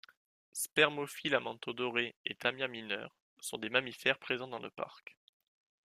Spermophile à manteau doré et tamia mineur sont des mammifères présents dans le parc.